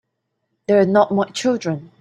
They're not my children.